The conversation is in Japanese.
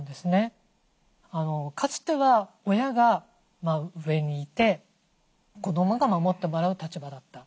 かつては親が上にいて子どもが守ってもらう立場だった。